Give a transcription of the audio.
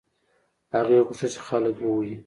هغې غوښتل چې خلک ووهي.